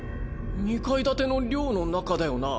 ２階建ての寮の中だよな？